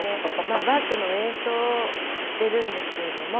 バックの演奏をしてるんですけれども。